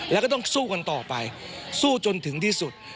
แล้วก็ต้องสู้กันต่อไปสู้จนถึงที่สุด